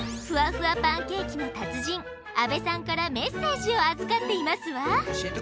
ふわふわパンケーキの達人阿部さんからメッセージを預かっていますわ！